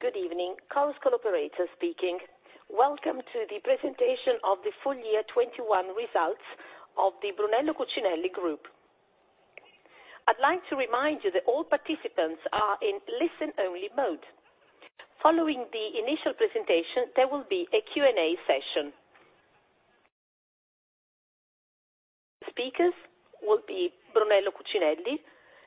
Good evening. Carlos, call operator speaking. Welcome to the presentation of the Full Year 2021 Results of the Brunello Cucinelli Group. I'd like to remind you that all participants are in listen-only mode. Following the initial presentation, there will be a Q&A session. Speakers will be Brunello Cucinelli,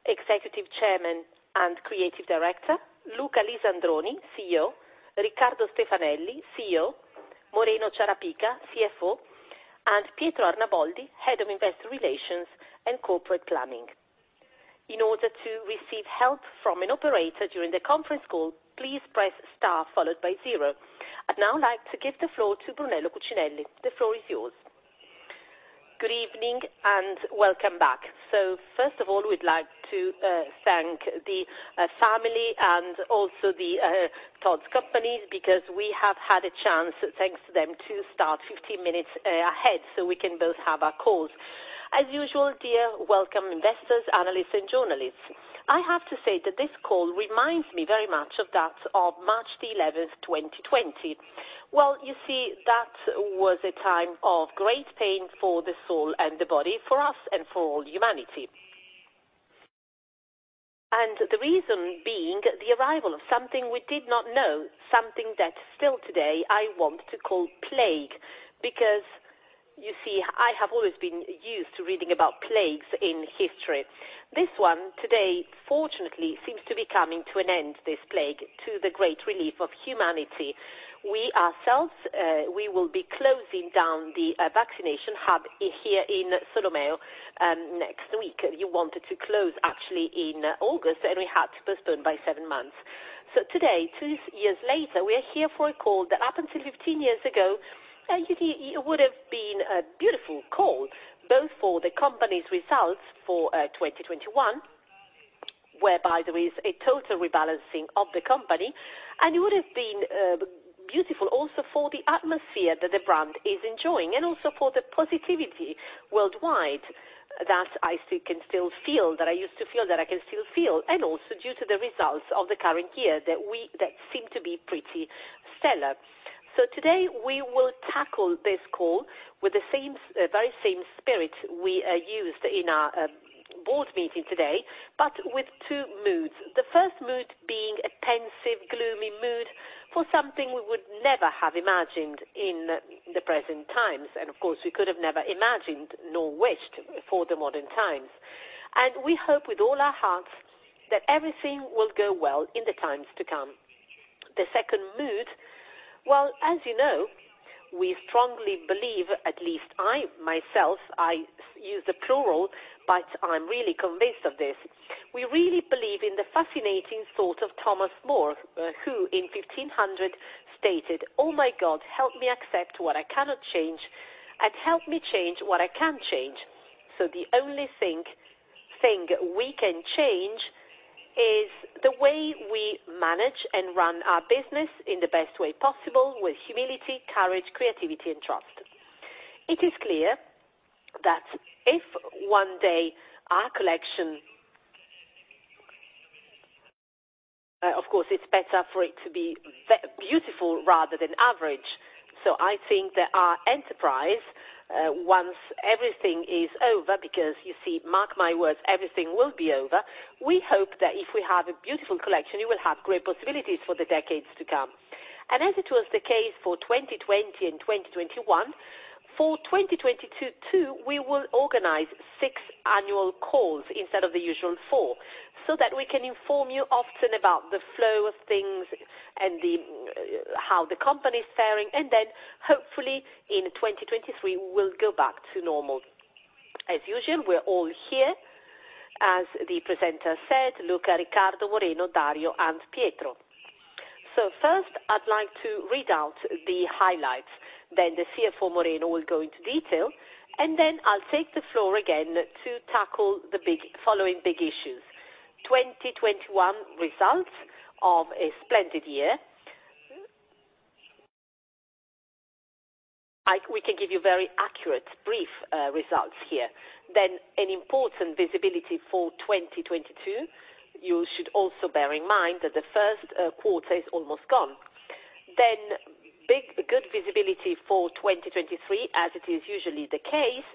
Executive Chairman and Creative Director, Luca Lisandroni, CEO, Riccardo Stefanelli, CEO, Moreno Ciarapica, CFO, and Pietro Arnaboldi, Head of Investor Relations and Corporate Planning. In order to receive help from an operator during the conference call, please press star followed by zero. I'd now like to give the floor to Brunello Cucinelli. The floor is yours. Good evening and welcome back. First of all, we'd like to thank the family and also the Tod's company, because we have had a chance, thanks to them, to start 15 minutes ahead, so we can both have our calls. As usual, we welcome investors, analysts, and journalists. I have to say that this call reminds me very much of that of March 11th, 2020. Well, you see, that was a time of great pain for the soul and the body, for us and for all humanity. The reason being the arrival of something we did not know, something that still today I want to call plague. Because, you see, I have always been used to reading about plagues in history. This one today, fortunately, seems to be coming to an end, this plague, to the great relief of humanity. We ourselves, we will be closing down the vaccination hub here in Solomeo next week. We wanted to close actually in August, and we had to postpone by seven months. Today, two years later, we are here for a call that up until 15 years ago, you see, it would have been a beautiful call, both for the company's results for 2021, whereby there is a total rebalancing of the company. It would have been beautiful also for the atmosphere that the brand is enjoying, and also for the positivity worldwide that I can still feel, and also due to the results of the current year that seem to be pretty stellar. Today we will tackle this call with the same very same spirit we used in our board meeting today, but with two moods. The first mood being a pensive, gloomy mood for something we would never have imagined in the present times. Of course, we could have never imagined nor wished for the modern times. We hope with all our hearts that everything will go well in the times to come. The second mood, well, as you know, we strongly believe, at least I myself, I use the plural, but I'm really convinced of this. We really believe in the fascinating thought of Thomas More, who in 1500 stated, "Oh, my God, help me accept what I cannot change and help me change what I can change." The only thing we can change is the way we manage and run our business in the best way possible with humility, courage, creativity, and trust. It is clear that if one day our collection, of course, it's better for it to be beautiful rather than average. I think that our enterprise, once everything is over, because you see, mark my words, everything will be over. We hope that if we have a beautiful collection, we will have great possibilities for the decades to come. As it was the case for 2020 and 2021, for 2022, too, we will organize six annual calls instead of the usual four, so that we can inform you often about the flow of things and the how the company is faring. Then, hopefully, in 2023, we'll go back to normal. As usual, we're all here, as the presenter said, Luca, Riccardo, Moreno, Dario, and Pietro. First, I'd like to read out the highlights, then the CFO, Moreno, will go into detail, and then I'll take the floor again to tackle the big, following big issues. 2021 results of a splendid year. We can give you very accurate, brief, results here. An important visibility for 2022. You should also bear in mind that the first quarter is almost gone. Big, good visibility for 2023, as it is usually the case.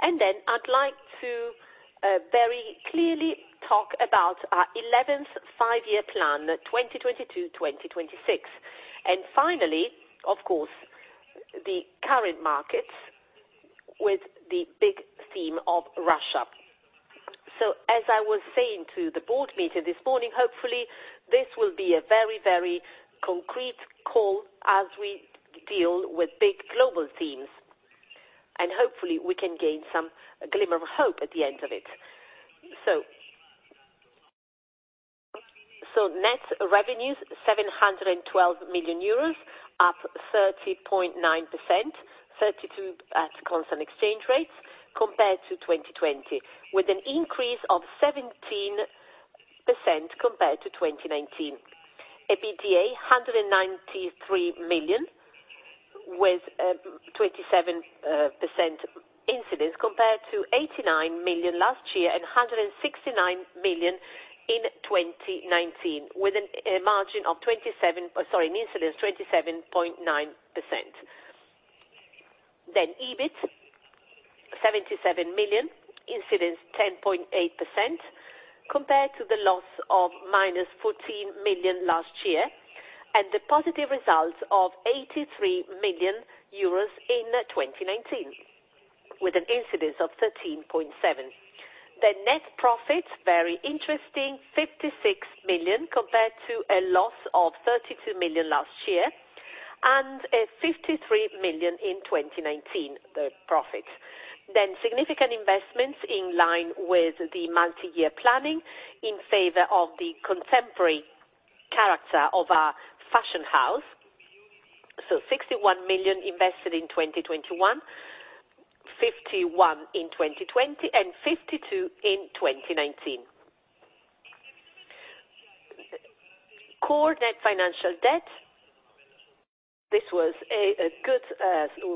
I'd like to very clearly talk about our 11th five-year plan, 2022-2026. Finally, of course, the current markets with the big theme of Russia. As I was saying to the board meeting this morning, hopefully, this will be a very, very concrete call as we deal with big global themes. Hopefully, we can gain some glimmer of hope at the end of it. Net revenues, 712 million euros, up 30.9%, 32% at constant exchange rates compared to 2020, with an increase of 17% compared to 2019. EBITDA, EUR 193 million. With 27% incidence compared to 89 million last year and 169 million in 2019, with a 27.9% incidence. EBIT 77 million, 10.8% incidence compared to the loss of -14 million last year and the positive results of 83 million euros in 2019, with an incidence of 13.7%. The net profits, very interesting, 56 million compared to a loss of 32 million last year and a 53 million in 2019, the profit. Significant investments in line with the multi-year planning in favor of the contemporary character of our fashion house. 61 million invested in 2021, 51 million in 2020 and 52 million in 2019. Core net financial debt. This was a good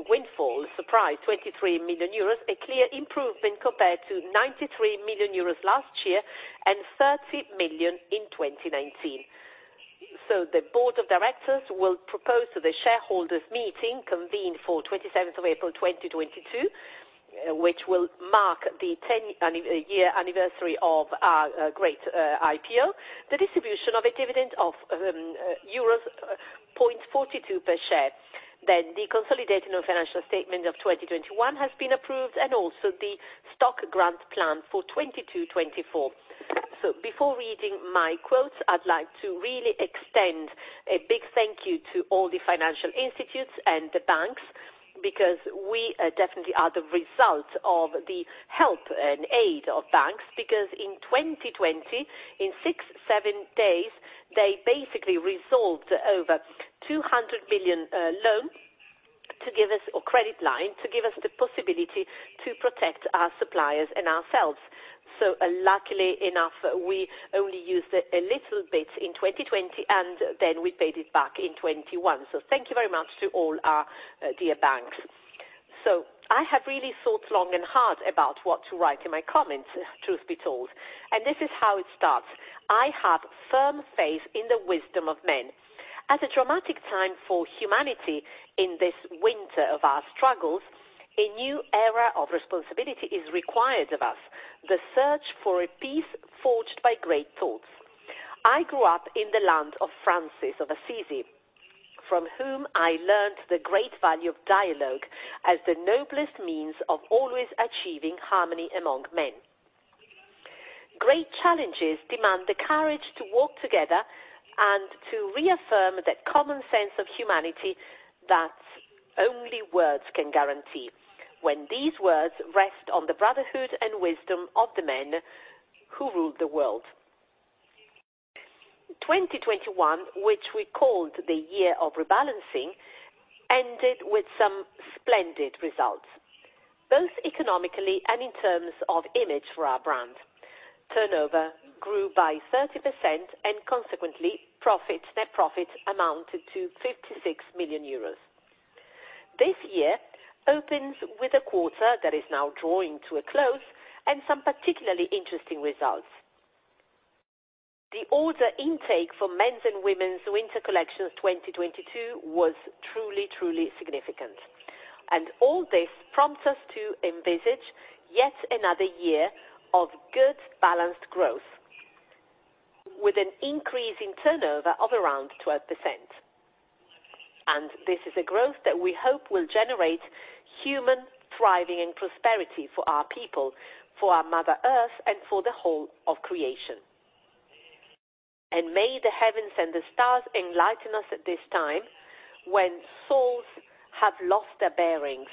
windfall surprise, 23 million euros, a clear improvement compared to 93 million euros last year and 30 million in 2019. The board of directors will propose to the shareholders' meeting, convened for April 27th 2022, which will mark the 10-year anniversary of our great IPO. The distribution of a dividend of euros 0.42 per share. The consolidated financial statement of 2021 has been approved and also the stock grant plan for 2022-2024. Before reading my quotes, I'd like to really extend a big thank you to all the financial institutions and the banks, because we definitely are the result of the help and aid of banks. Because in 2020, in six-seven days, they basically resolved over 200 million loan to give us, or credit line, to give us the possibility to protect our suppliers and ourselves. Luckily enough, we only used a little bit in 2020, and then we paid it back in 2021. Thank you very much to all our dear banks. I have really thought long and hard about what to write in my comments, truth be told, and this is how it starts. I have firm faith in the wisdom of men. At a dramatic time for humanity in this winter of our struggles, a new era of responsibility is required of us, the search for a peace forged by great thoughts. I grew up in the land of Francis of Assisi, from whom I learned the great value of dialogue as the noblest means of always achieving harmony among men. Great challenges demand the courage to walk together and to reaffirm that common sense of humanity that only words can guarantee when these words rest on the brotherhood and wisdom of the men who rule the world. 2021, which we called the year of rebalancing, ended with some splendid results, both economically and in terms of image for our brand. Turnover grew by 30% and consequently profit, net profit amounted to 56 million euros. This year opens with a quarter that is now drawing to a close and some particularly interesting results. The order intake for men's and women's winter collections 2022 was truly significant. All this prompts us to envisage yet another year of good, balanced growth with an increase in turnover of around 12%. This is a growth that we hope will generate human thriving and prosperity for our people, for our Mother Earth, and for the whole of creation. May the heavens and the stars enlighten us at this time when souls have lost their bearings,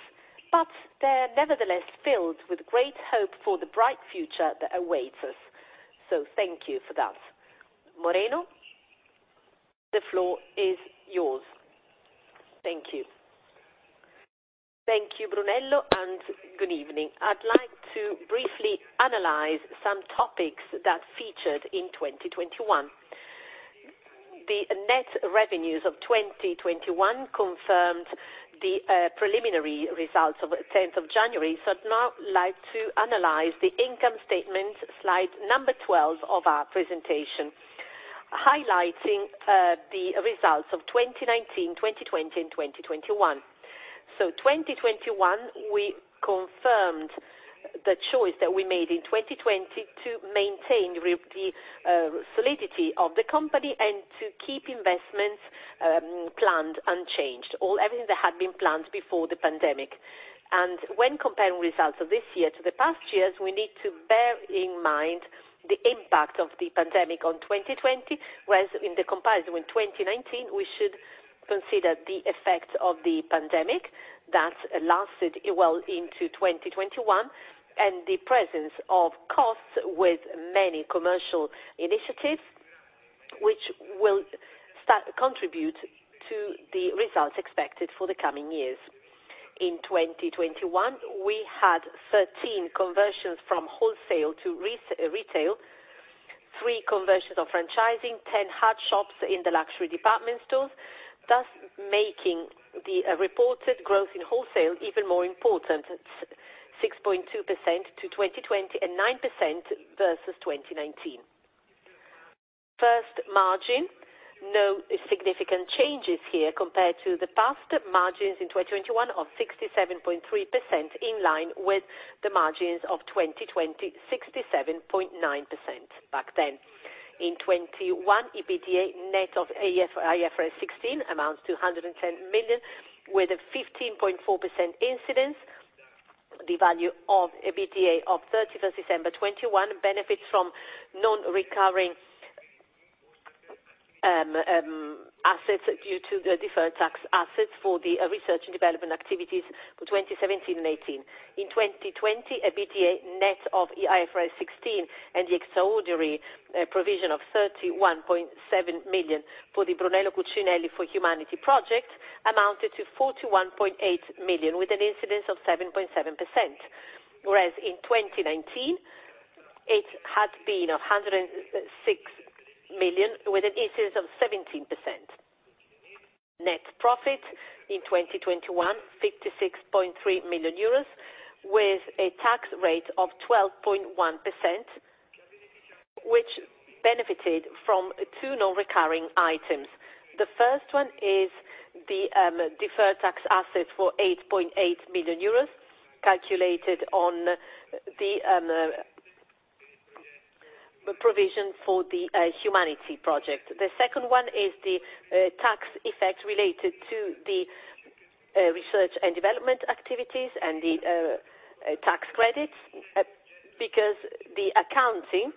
but they're nevertheless filled with great hope for the bright future that awaits us. Thank you for that. Moreno, the floor is yours. Thank you. Thank you, Brunello, and good evening. I'd like to briefly analyze some topics that featured in 2021. The net revenues of 2021 confirmed the preliminary results of January 10th. I'd now like to analyze the income statement, slide number 12 of our presentation, highlighting the results of 2019, 2020 and 2021. 2021, we confirmed the choice that we made in 2020 to maintain the solidity of the company and to keep investments planned unchanged, all everything that had been planned before the pandemic. When comparing results of this year to the past years, we need to bear in mind the impact of the pandemic on 2020, whereas in the comparison with 2019, we should consider the effects of the pandemic that lasted well into 2021 and the presence of costs with many commercial initiatives which will contribute to the results expected for the coming years. In 2021, we had 13 conversions from wholesale to retail. Three conversions of franchising, 10 hard shops in the luxury department stores, thus making the reported growth in wholesale even more important. 6.2% to 2020 and 9% versus 2019. First margin. No significant changes here compared to the past margins in 2021 of 67.3% in line with the margins of 2020, 67.9% back then. In 2021, EBITDA net of IFRS 16 amounts to 110 million, with a 15.4% incidence. The value of EBITDA of December 31st, 2021 benefits from non-recurring assets due to the deferred tax assets for the research and development activities for 2017 and 2018. In 2020, EBITDA net of IFRS 16 and the extraordinary provision of 31.7 million for the Brunello Cucinelli for Humanity project amounted to 41.8 million, with an incidence of 7.7%, whereas in 2019 it had been 106 million with an incidence of 17%. Net profit in 2021, 56.3 million euros with a tax rate of 12.1%, which benefited from two non-recurring items. The first one is the deferred tax assets for 8.8 million euros, calculated on the provision for the Humanity project. The second one is the tax effect related to the research and development activities and the tax credits, because the accounting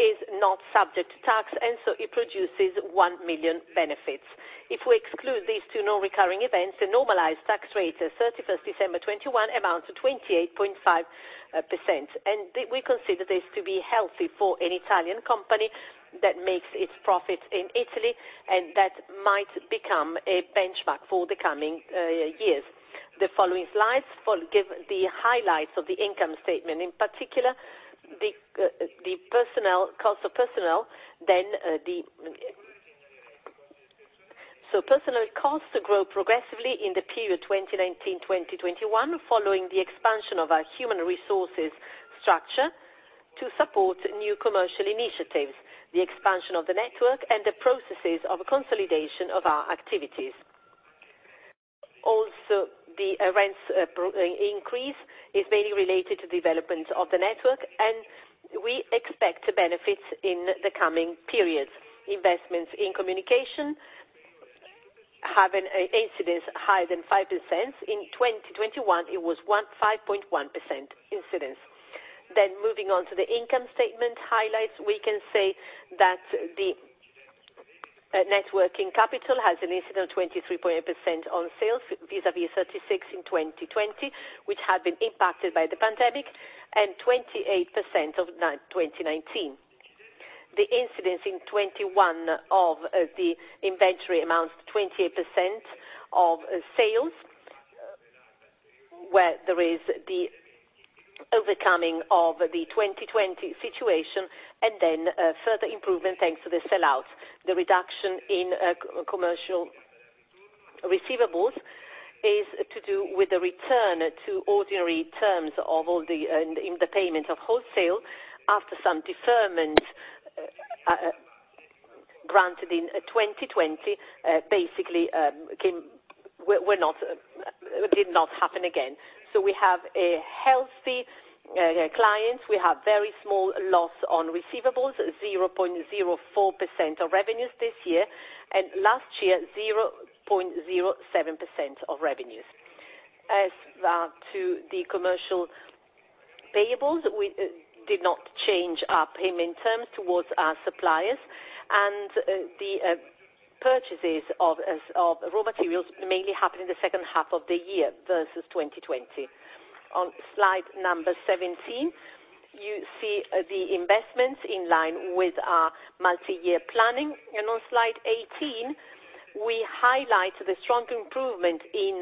is not subject to tax and so it produces 1 million benefits. If we exclude these two non-recurring events, the normalized tax rate at December 31st 2021 amounts to 28.5%, and we consider this to be healthy for an Italian company that makes its profit in Italy, and that might become a benchmark for the coming years. The following slides will give the highlights of the income statement, in particular the personnel, cost of personnel, then, personnel costs grow progressively in the period 2019-2021, following the expansion of our human resources structure to support new commercial initiatives, the expansion of the network and the processes of consolidation of our activities. Also, the rents, progressive increase is mainly related to development of the network, and we expect benefits in the coming periods. Investments in communication have an incidence higher than 5%. In 2021, it was 5.1% Incidence. Moving on to the income statement highlights, we can say that the net working capital has an incidence of 23.8% on sales vis-a-vis 36 in 2020, which had been impacted by the pandemic, and 28% in 2019. The incidence in 2021 of the inventory amounts to 28% of sales, where there is the overcoming of the 2020 situation and then further improvement thanks to the sell-out. The reduction in commercial receivables is to do with the return to ordinary terms of all the payments in wholesale after some deferment granted in 2020, basically did not happen again. We have a healthy clients. We have very small loss on receivables, 0.04% of revenues this year, and last year, 0.07% of revenues. As to the commercial payables, we did not change our payment terms towards our suppliers, and the purchases of raw materials mainly happened in the second half of the year versus 2020. On slide number 17, you see the investments in line with our multi-year planning. On slide 18, we highlight the strong improvement in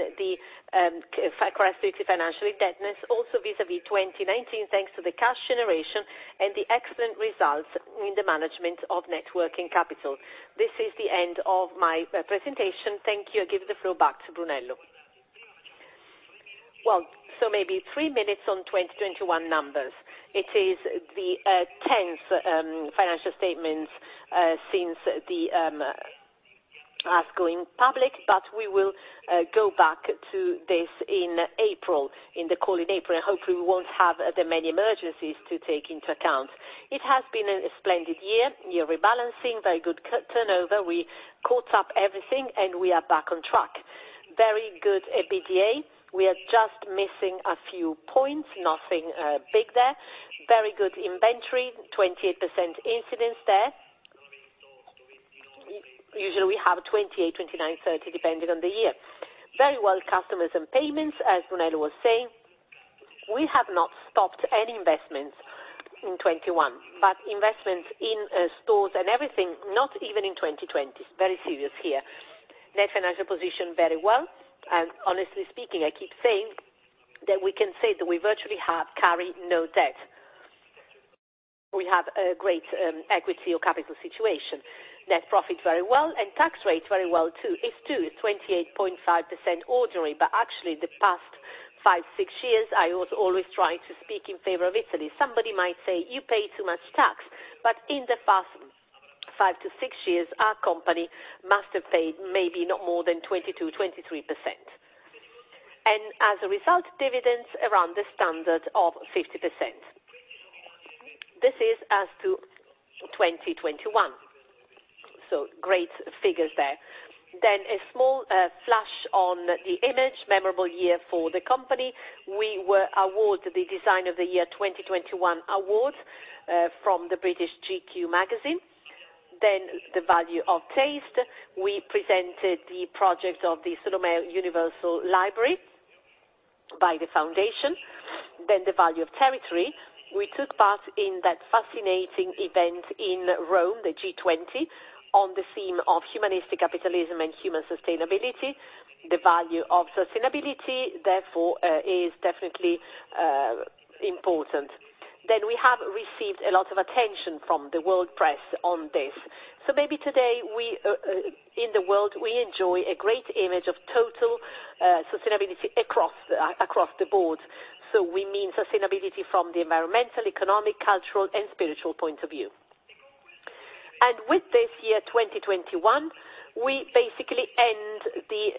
our strategic financial indebtedness also vis-à-vis 2019, thanks to the cash generation and the excellent results in the management of net working capital. This is the end of my presentation. Thank you. I give the floor back to Brunello. Well, maybe three minutes on 2021 numbers. It is the 10th financial statement since us going public, but we will go back to this in April, in the call in April, and hopefully we won't have that many emergencies to take into account. It has been a splendid year. Year rebalancing, very good cash turnover. We caught up everything and we are back on track. Very good EBITDA. We are just missing a few points. Nothing big there. Very good inventory. 28% incidence there. Usually, we have 28, 29, 30, depending on the year. Very well customers and payments, as Brunello was saying. We have not stopped any investments in 2021, but investments in stores and everything, not even in 2020. Very serious here. Net financial position very well. Honestly speaking, I keep saying that we can say that we virtually carry no debt. We have a great equity or capital situation. Net profit very well and tax rate very well too, is 28.5% ordinary. Actually, the past five to six years, I was always trying to speak in favor of Italy. Somebody might say, "You pay too much tax," but in the past five to six years, our company must have paid maybe not more than 22, 23%. As a result, dividends around the standard of 50%. This is as to 2021. Great figures there. A small flash on the image, memorable year for the company. We were awarded the Designer of the Year 2021 award from the British GQ magazine. The value of taste. We presented the project of the Solomeo Universal Library by the foundation. The value of territory. We took part in that fascinating event in Rome, the G20, on the theme of humanistic capitalism and human sustainability. The value of sustainability, therefore, is definitely important. We have received a lot of attention from the world press on this. Maybe today, in the world, we enjoy a great image of total sustainability across the board. We mean sustainability from the environmental, economic, cultural and spiritual point of view. With this year, 2021, we basically end the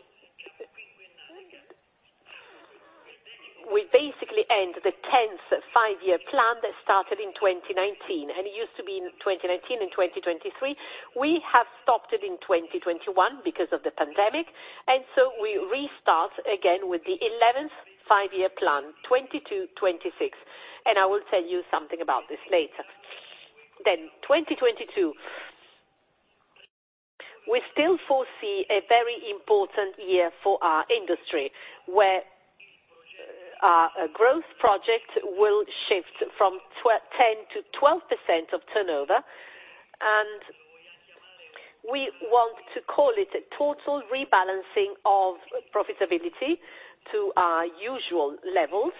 10th five-year plan that started in 2019, and it used to be in 2019 and 2023. We have stopped it in 2021 because of the pandemic, and we restart again with the 11th five-year plan, 2022, 2026, and I will tell you something about this later. 2022. We still foresee a very important year for our industry, where our growth project will shift from 10% to 12% of turnover, and we want to call it a total rebalancing of profitability to our usual levels,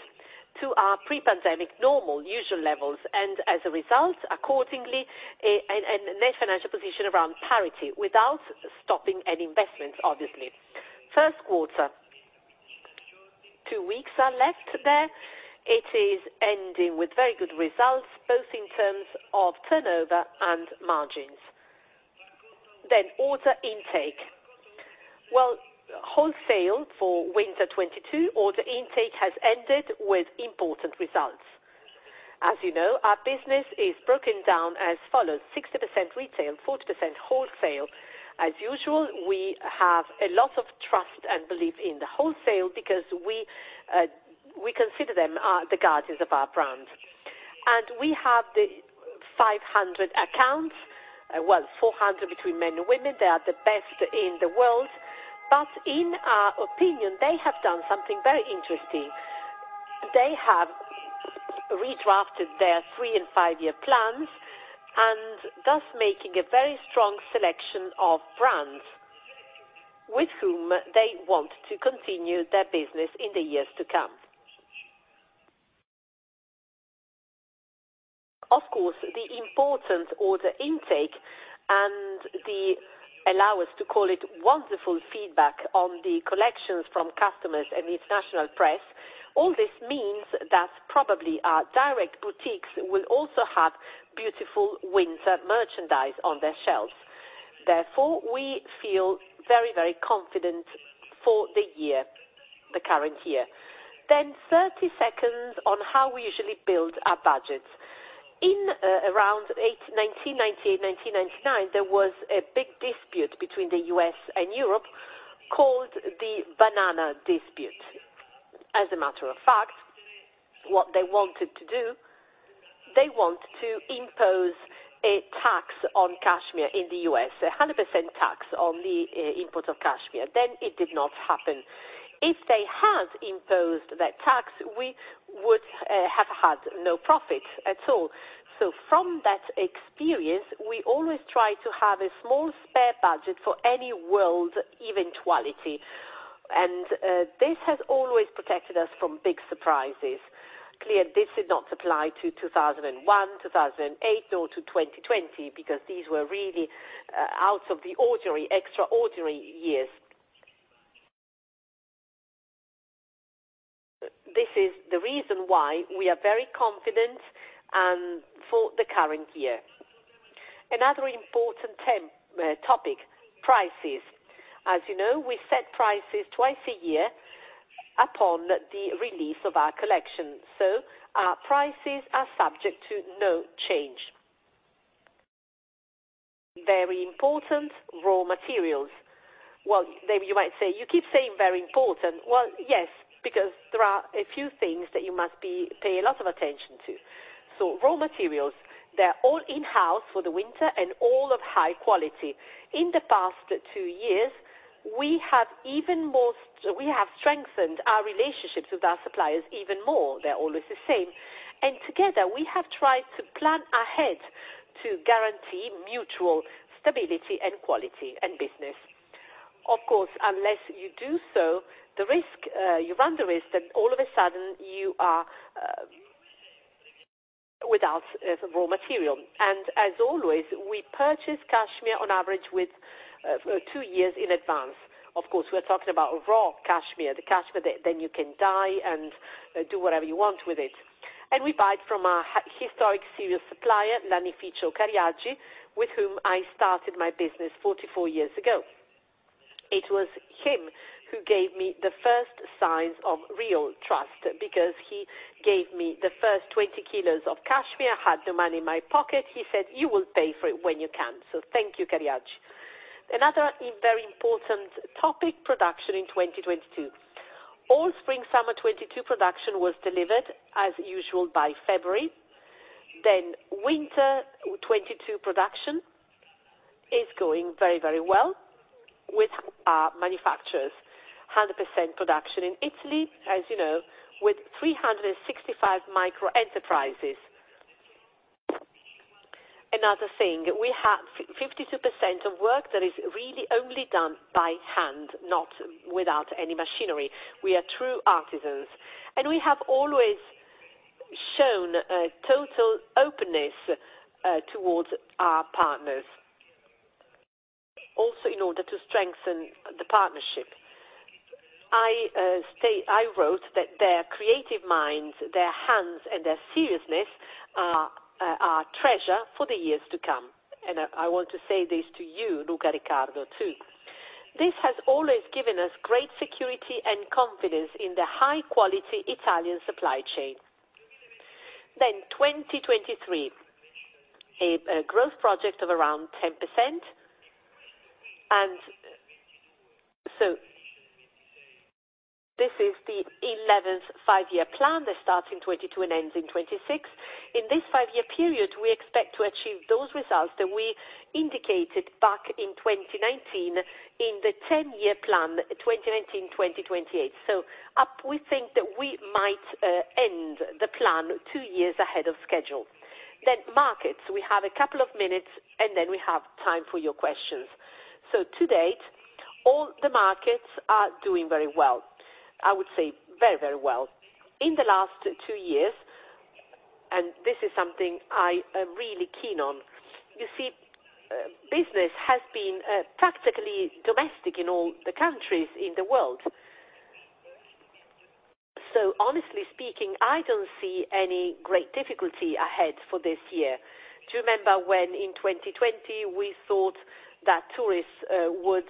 to our pre-pandemic normal usual levels. As a result, accordingly, a net financial position around parity without stopping any investments, obviously. First quarter. Two weeks are left there. It is ending with very good results, both in terms of turnover and margins. Order intake. Well, wholesale for winter 2022 order intake has ended with important results. As you know, our business is broken down as follows, 60% retail, 40% wholesale. As usual, we have a lot of trust and belief in the wholesale because we consider them the guardians of our brand. We have the 500 accounts. Well, 400 between men and women. They are the best in the world, but in our opinion, they have done something very interesting. They have redrafted their three- and five-year plans and thus making a very strong selection of brands with whom they want to continue their business in the years to come. Of course, the important order intake and the allow us to call it wonderful feedback on the collections from customers and the international press. All this means that probably our direct boutiques will also have beautiful winter merchandise on their shelves. Therefore, we feel very, very confident for the year, the current year. 30 seconds on how we usually build our budgets. In around 1989, 1999, there was a big dispute between the U.S. and Europe called The Banana Dispute. As a matter of fact, what they wanted to do, they want to impose a tax on cashmere in the U.S., a 100% tax on the imports of cashmere. It did not happen. If they had imposed that tax, we would have had no profit at all. From that experience, we always try to have a small spare budget for any world eventuality. This has always protected us from big surprises. Clearly, this did not apply to 2001, 2008, nor to 2020, because these were really out of the ordinary, extraordinary years. This is the reason why we are very confident for the current year. Another important item, topic, prices. As you know, we set prices twice a year upon the release of our collection, so our prices are subject to no change. Very important, raw materials. Well, maybe you might say, "You keep saying very important." Well, yes, because there are a few things that you must pay a lot of attention to. Raw materials, they're all in-house for the winter and all of high quality. In the past two years, we have strengthened our relationships with our suppliers even more. They're always the same. Together, we have tried to plan ahead to guarantee mutual stability and quality in business. Of course, unless you do so, the risk you run the risk that all of a sudden you are without raw material. As always, we purchase cashmere on average with two years in advance. Of course, we are talking about raw cashmere, the cashmere that then you can dye and do whatever you want with it. We buy it from our historic serious supplier, Cariaggi Lanificio, with whom I started my business 44 years ago. It was him who gave me the first signs of real trust because he gave me the first 20 kilos of cashmere. I had no money in my pocket. He said, "You will pay for it when you can." Thank you, Cariaggi. Another very important topic, production in 2022. All spring/summer 2022 production was delivered as usual by February. Winter 2022 production is going very well with our manufacturers. 100% production in Italy, as you know, with 365 micro enterprises. Another thing, we have 52% of work that is really only done by hand, not without any machinery. We are true artisans, and we have always shown total openness towards our partners, also in order to strengthen the partnership. I wrote that their creative minds, their hands, and their seriousness are treasure for the years to come. I want to say this to you, Luca Riccardo, too. This has always given us great security and confidence in the high quality Italian supply chain. 2023, a growth project of around 10%. This is the 11th five-year plan that starts in 2022 and ends in 2026. In this five-year period, we expect to achieve those results that we indicated back in 2019 in the 10-year plan, 2019-2028. We think that we might end the plan two years ahead of schedule. Markets, we have a couple of minutes, and then we have time for your questions. To date, all the markets are doing very well. I would say very, very well. In the last two years, and this is something I am really keen on, you see, business has been practically domestic in all the countries in the world. Honestly speaking, I don't see any great difficulty ahead for this year. Do you remember when in 2020 we thought that tourists would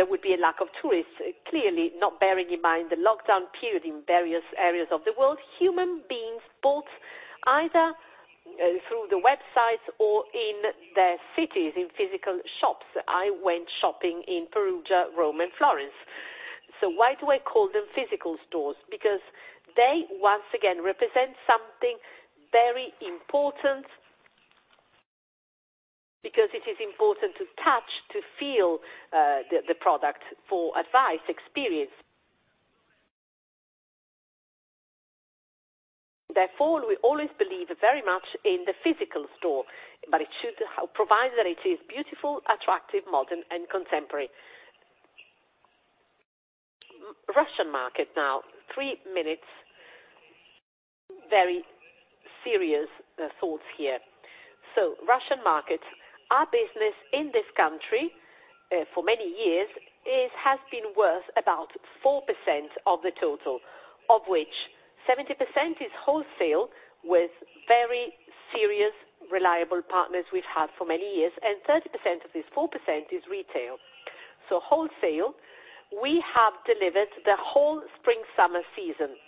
there would be a lack of tourists? Clearly, not bearing in mind the lockdown period in various areas of the world, human beings bought either through the websites or in their cities, in physical shops. I went shopping in Perugia, Rome, and Florence. Why do I call them physical stores? Because they once again represent something very important, because it is important to touch, to feel the product for advice, experience. Therefore, we always believe very much in the physical store, but it should provide that it is beautiful, attractive, modern, and contemporary. Russian market now, three minutes, very serious thoughts here. Russian market, our business in this country for many years has been worth about 4% of the total, of which 70% is wholesale with very serious, reliable partners we've had for many years, and 30% of this 4% is retail. Wholesale, we have delivered the whole spring summer season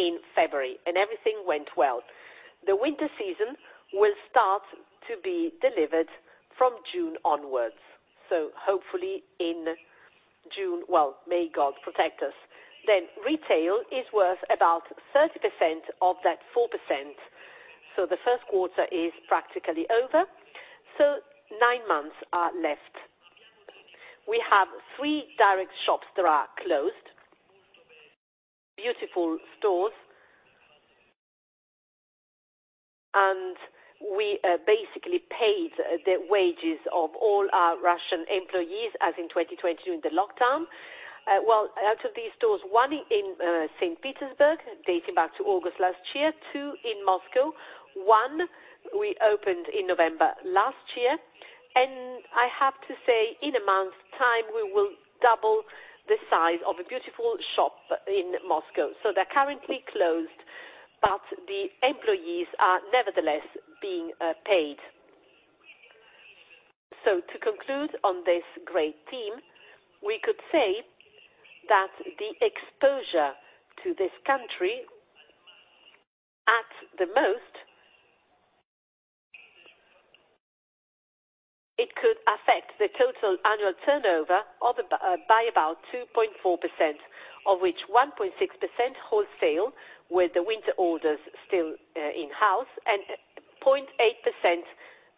in February, and everything went well. The winter season will start to be delivered from June onwards. Hopefully in June, well, may God protect us. Retail is worth about 30% of that 4%. The first quarter is practically over. Nine months are left. We have three direct shops that are closed, beautiful stores. We basically paid the wages of all our Russian employees as in 2020 during the lockdown. Well, out of these stores, one in St. Petersburg, dating back to August last year, two in Moscow, one we opened in November last year. I have to say in a month's time, we will double the size of a beautiful shop in Moscow. They're currently closed, but the employees are nevertheless being paid. To conclude on this great team, we could say that the exposure to this country at the most, it could affect the total annual turnover by about 2.4%, of which 1.6% wholesale, with the winter orders still in-house, and 0.8%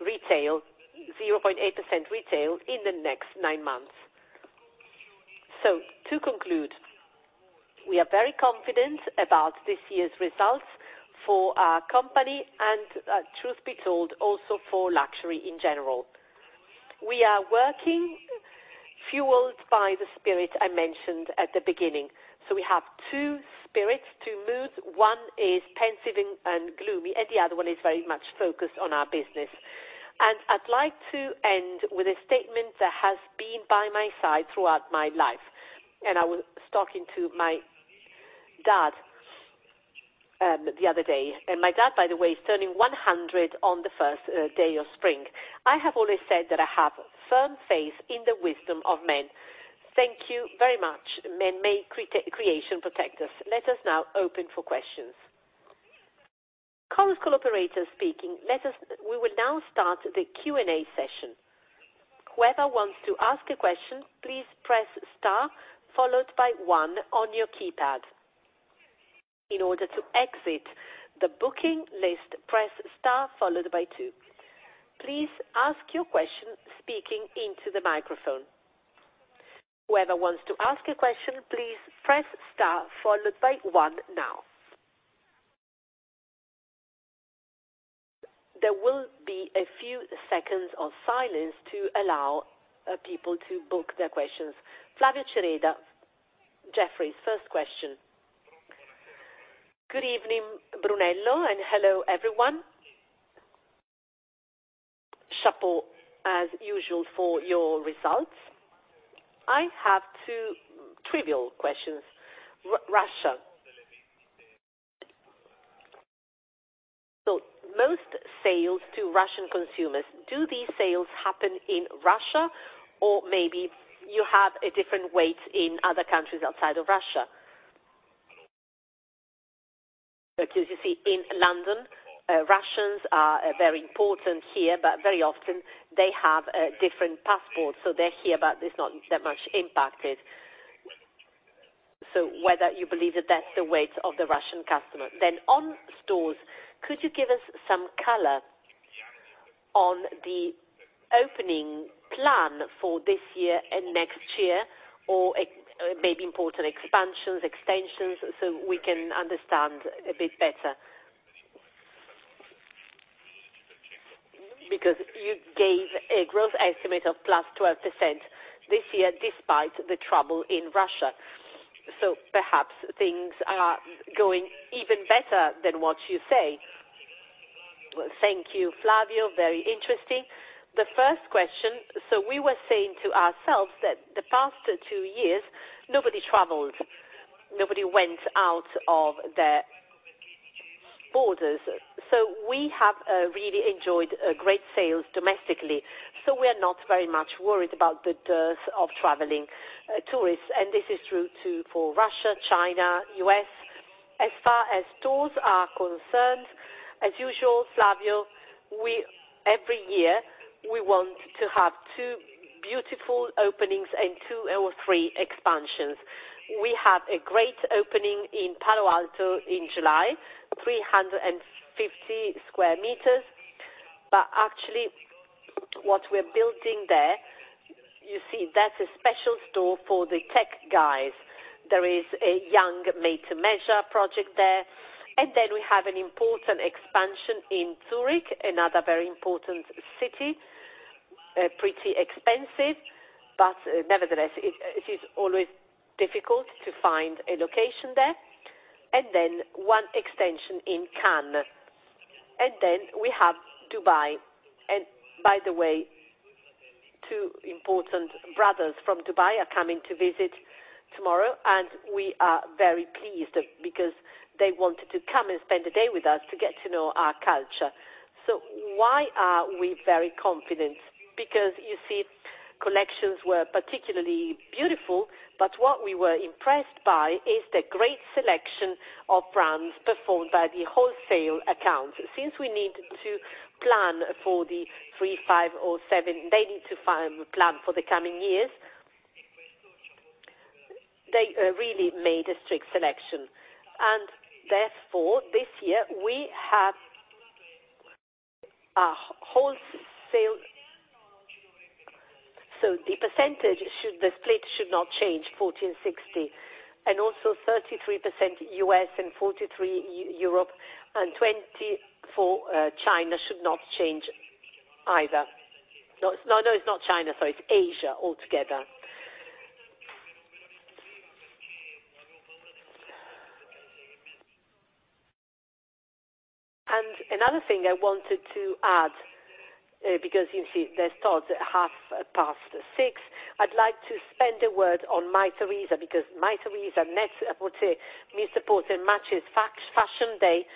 retail, 0.8% retail in the next nine months. To conclude, we are very confident about this year's results for our company and, truth be told, also for luxury in general. We are working, fueled by the spirit I mentioned at the beginning. We have two spirits, two moods. One is pensive and gloomy, and the other one is very much focused on our business. I'd like to end with a statement that has been by my side throughout my life. I was talking to my dad the other day. My dad, by the way, is turning 100 on the first day of spring. I have always said that I have firm faith in the wisdom of men. Thank you very much. Men, may creation protect us. Let us now open for questions. Flavio Cereda, Jefferies, first question. Good evening, Brunello, and hello, everyone. Chapeau, as usual, for your results. I have two trivial questions. Russia. So most sales to Russian consumers, do these sales happen in Russia? Or maybe you have a different weight in other countries outside of Russia. Because you see, in London, Russians are very important here, but very often they have different passports. So they're here, but it's not that much impacted. So whether you believe that that's the weight of the Russian customer. Then on stores, could you give us some color on the opening plan for this year and next year? Or maybe important expansions, extensions, so we can understand a bit better. Because you gave a growth estimate of +12% this year despite the trouble in Russia. Perhaps things are going even better than what you say. Well, thank you, Flavio. Very interesting. The first question, we were saying to ourselves that the past two years, nobody traveled. Nobody went out of their borders. We have really enjoyed great sales domestically. We are not very much worried about the dearth of traveling tourists. This is true, too, for Russia, China, U.S. As far as stores are concerned, as usual, Flavio, every year, we want to have two beautiful openings and two or three expansions. We have a great opening in Palo Alto in July, 350 sq m. But actually, what we're building there, you see, that's a special store for the tech guys. There is a young made-to-measure project there. We have an important expansion in Zurich, another very important city, pretty expensive, but nevertheless, it is always difficult to find a location there. One extension in Cannes. We have Dubai. By the way, two important brothers from Dubai are coming to visit tomorrow, and we are very pleased because they wanted to come and spend a day with us to get to know our culture. Why are we very confident? Because you see, collections were particularly beautiful, but what we were impressed by is the great selection of brands performed by the wholesale accounts. Since we need to plan for the three, five or seven, they need to plan for the coming years. They really made a strict selection. Therefore, this year we have a wholesale. The split should not change 14-60. 33% U.S. and 43% Europe and 24% China should not change either. No, no, it's not China. Sorry, it's Asia altogether. Another thing I wanted to add, because you see they start at half past six. I'd like to spend a word on Mytheresa, because Mytheresa, NET-A-PORTER, MR PORTER, MATCHESFASHION, they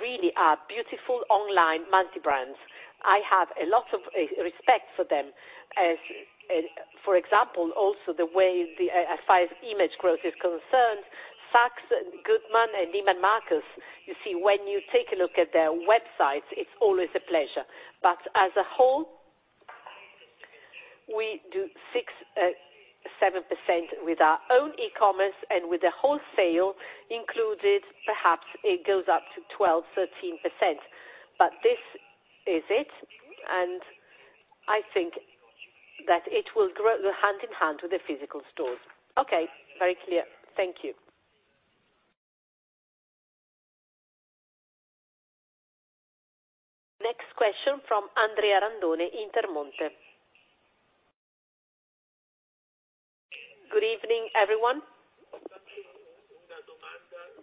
really are beautiful online multi-brands. I have a lot of respect for them. As for example, also the way the as far as image growth is concerned, Saks, Bergdorf Goodman, and Neiman Marcus, you see, when you take a look at their websites, it's always a pleasure. As a whole, we do 6%-7% with our own e-commerce and with the wholesale included, perhaps it goes up to 12%-13%. This is it, and I think that it will grow hand in hand with the physical stores. Okay, very clear. Thank you. Next question from Andrea Randone, Intermonte. Good evening, everyone.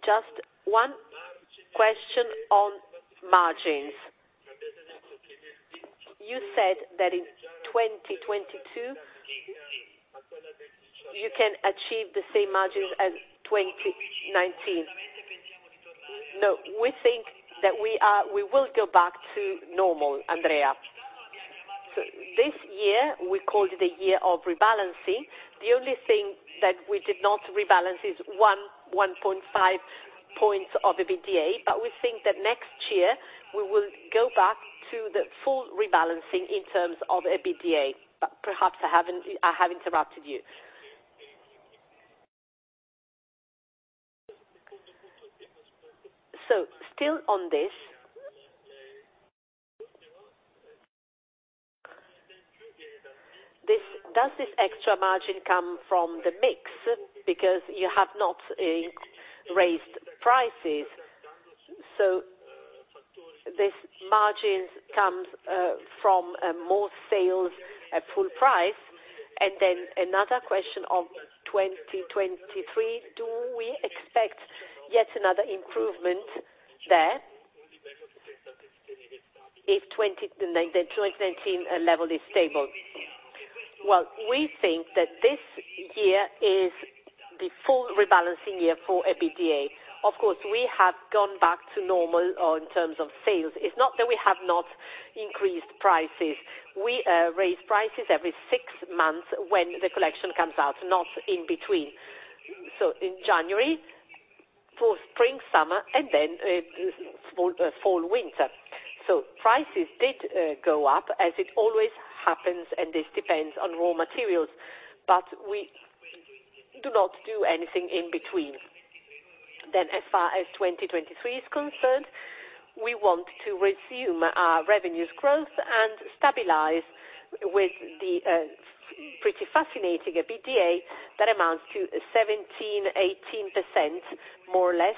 Just one question on margins. You said that in 2022 you can achieve the same margins as 2019. No, we think that we will go back to normal, Andrea. This year we called the year of rebalancing. The only thing that we did not rebalance is 1.5 points of EBITDA. But we think that next year we will go back to the full rebalancing in terms of EBITDA. But perhaps I have interrupted you. Still on this, does this extra margin come from the mix? Because you have not raised prices, so this margin comes from more sales at full price. Another question on 2023, do we expect yet another improvement there if the 2019 level is stable? Well, we think that this year is the full rebalancing year for EBITDA. Of course, we have gone back to normal in terms of sales. It's not that we have not increased prices. We raise prices every six months when the collection comes out, not in between. In January for spring, summer, and then fall, winter. Prices did go up, as it always happens, and this depends on raw materials, but we do not do anything in between. As far as 2023 is concerned, we want to resume our revenues growth and stabilize with the pretty fascinating EBITDA that amounts to 17%-18% more or less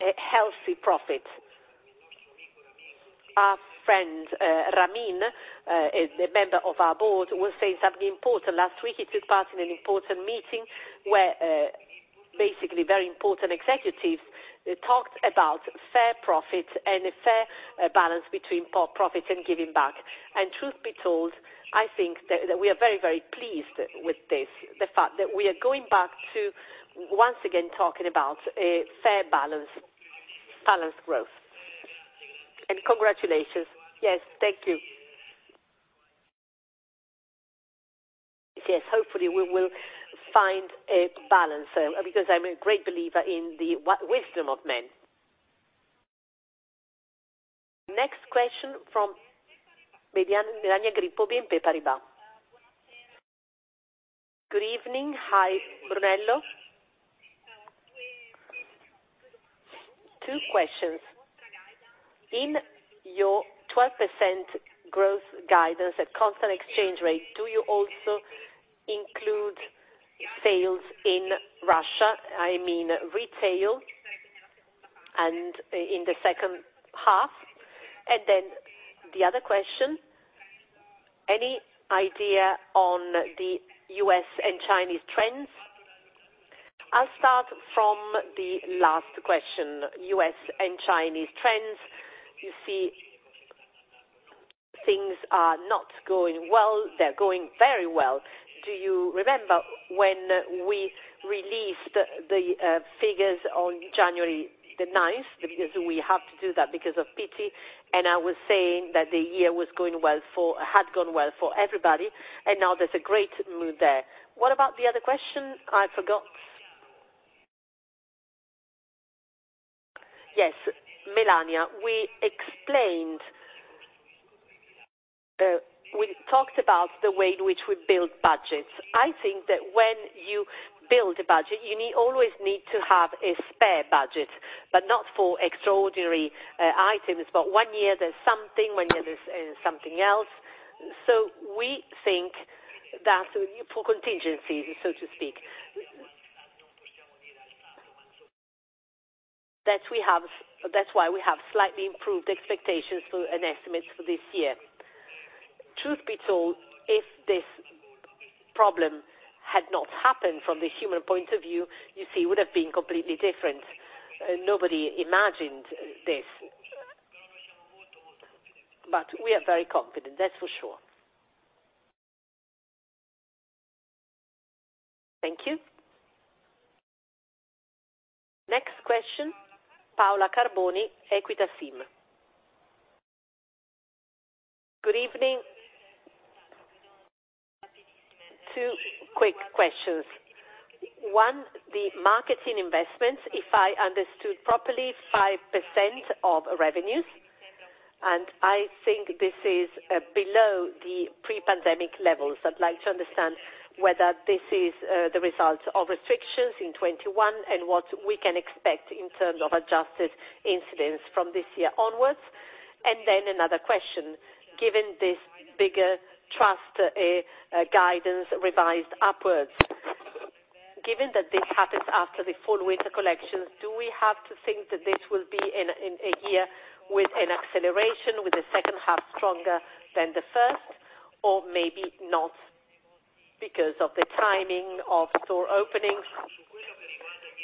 a healthy profit. Our friend, Ramin, a member of our board, was saying something important last week. He took part in an important meeting where, basically very important executives talked about fair profits and a fair balance between pro-profits and giving back. Truth be told, I think that we are very, very pleased with this, the fact that we are going back to once again talking about a fair balance, balanced growth. Congratulations. Yes. Thank you. Yes, hopefully we will find a balance, because I'm a great believer in the wisdom of men. Next question from Melania Grippo, BNP Paribas. Good evening. Hi, Brunello. Two questions. In your 12% growth guidance at constant exchange rate, do you also include sales in Russia, I mean retail, and in the second half? The other question, any idea on the U.S. and Chinese trends? I'll start from the last question, U.S. and Chinese trends. You see, things are not going well. They're going very well. Do you remember when we released the figures on January 9th? Because we have to do that because of pity, and I was saying that the year had gone well for everybody, and now there's a great mood there. What about the other question? I forgot. Yes, Melania, we explained, we talked about the way in which we build budgets. I think that when you build a budget, you always need to have a spare budget, but not for extraordinary items. But one year there's something, one year there's something else. We think that for contingencies, so to speak. That's why we have slightly improved expectations and estimates for this year. Truth be told, if this problem had not happened from the human point of view, you see, it would have been completely different. Nobody imagined this. We are very confident, that's for sure. Thank you. Next question, Paola Carboni, Equita SIM. Good evening. Two quick questions. One, the marketing investments, if I understood properly, 5% of revenues, and I think this is below the pre-pandemic levels. I'd like to understand whether this is the results of restrictions in 2021 and what we can expect in terms of adjusted incentives from this year onwards. Then another question, given this bigger thrust, guidance revised upwards, given that this happens after the fall winter collections, do we have to think that this will be in a year with an acceleration with the second half stronger than the first? Maybe not because of the timing of store openings?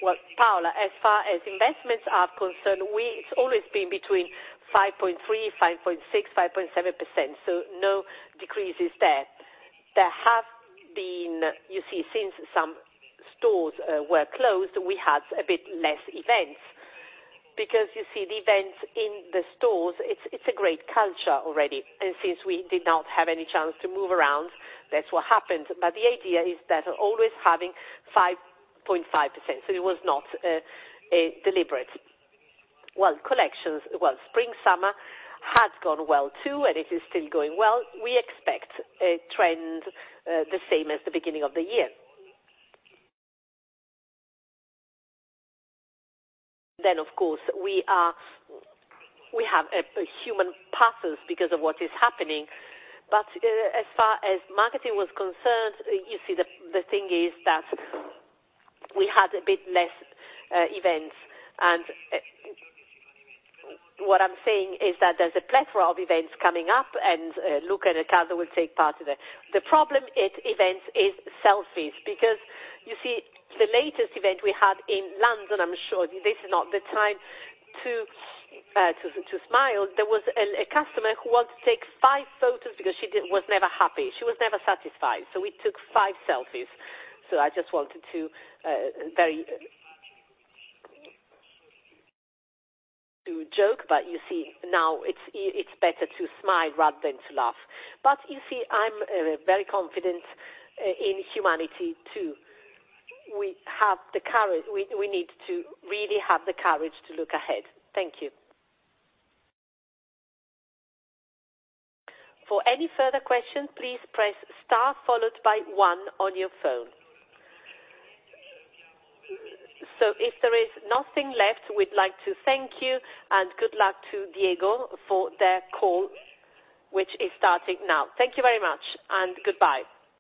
Well, Paola, as far as investments are concerned, it's always been between 5.3%, 5.6%, 5.7%, so no decreases there. There have been. You see since some stores were closed, we had a bit less events. Because you see the events in the stores, it's a great culture already. And since we did not have any chance to move around, that's what happened. But the idea is that always having 5.5%, so it was not deliberate. Well, collections. Well, spring summer has gone well, too, and it is still going well. We expect a trend the same as the beginning of the year. Of course, we have a human purpose because of what is happening. As far as marketing was concerned, you see the thing is that we had a bit less events. What I'm saying is that there's a plethora of events coming up, and Luca and Riccardo will take part in it. The problem at events is selfies, because you see, the latest event we had in London, I'm sure this is not the time to smile. There was a customer who wanted to take five photos because she was never happy. She was never satisfied. We took five selfies. I just wanted to joke, but you see now it's better to smile rather than to laugh. You see, I'm very confident in humanity too. We have the courage. We need to really have the courage to look ahead. Thank you. For any further question, please press star followed by one on your phone. If there is nothing left, we'd like to thank you and good luck to Diego for their call, which is starting now. Thank you very much and goodbye.